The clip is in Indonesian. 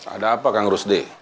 ada apa kang rusdi